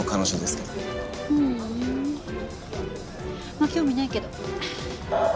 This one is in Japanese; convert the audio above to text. まあ興味ないけど。